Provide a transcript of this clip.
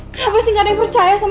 kenapa sih gak ada yang bohong